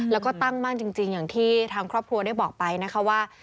แล้วก็ตั้งมั่นจริงอย่างที่ทางครอบครัวได้บอกไปนะคะว่า